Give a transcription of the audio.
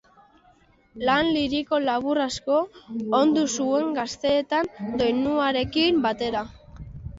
Lan liriko labur asko ondu zuen gaztetan, doinuarekin batera.